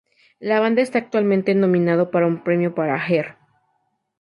La banda está actualmente nominado para un premio para "Her".